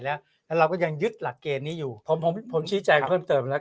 แล้วเราก็ยังยึดหลักเกณฑ์นี้อยู่ผมผมชี้แจงเพิ่มเติมแล้ว